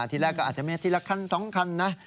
ทีแรกก็อาจจะมีทีละคัน๒คันนะ